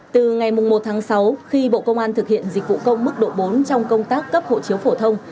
từ ngày một tháng sáu khi bộ công an thực hiện dịch vụ công mức độ bốn trong công tác cấp hộ chiếu phổ thông